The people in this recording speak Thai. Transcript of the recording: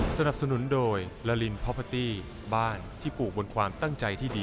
สนับสนุนโดยลาลินพอพาตี้บ้านที่ปลูกบนความตั้งใจที่ดี